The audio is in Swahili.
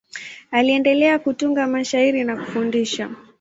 Aliendelea kutunga mashairi na kufundisha.